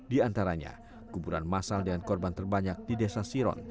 di antaranya kuburan masal dengan korban terbanyak di desa siron